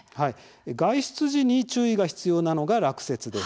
外出時に注意が必要なのが落雪です。